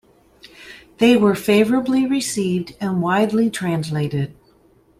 They were favourably received, and widely translated.